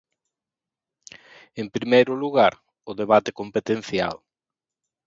En primeiro lugar, o debate competencial.